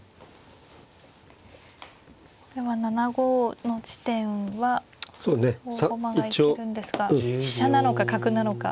これは７五の地点は大駒が生きるんですが飛車なのか角なのか。